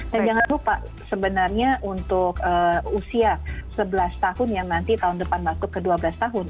dan jangan lupa sebenarnya untuk usia sebelas tahun yang nanti tahun depan masuk ke dua belas tahun